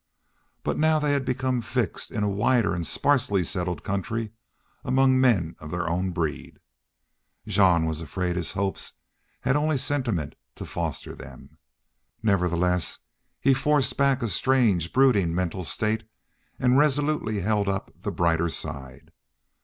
But now they had become fixed in a wilder and sparsely settled country among men of their own breed. Jean was afraid his hopes had only sentiment to foster them. Nevertheless, be forced back a strange, brooding, mental state and resolutely held up the brighter side.